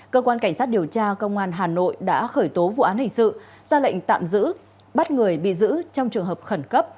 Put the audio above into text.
cơ quan cảnh sát điều tra công an hà nội đã khởi tố vụ án hình sự ra lệnh tạm giữ bắt người bị giữ trong trường hợp khẩn cấp